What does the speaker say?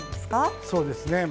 そうですね。